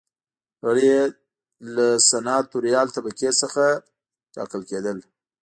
غړي یې له سناتوریال طبقې څخه ټاکل کېدل.